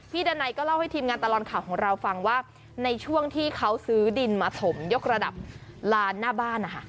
ดันัยก็เล่าให้ทีมงานตลอดข่าวของเราฟังว่าในช่วงที่เขาซื้อดินมาถมยกระดับลานหน้าบ้านนะคะ